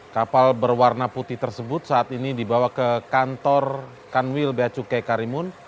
kapal berwarna putih tersebut saat ini dibawa ke kantor kanwil beacukai karimun